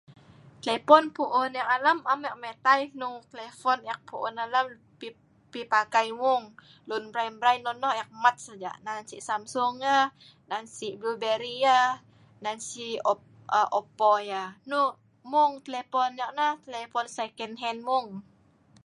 Telpon puun ek alam am ek mitai hnong telpon ek puun alam pi pi pakai mung, lun mrai-mrai nonoh ek mat saja nah. Si samsung yah nan si blueberry yah, nan si o oppo yah. Hnong mung telepone ek nah telepon sikenhen mung.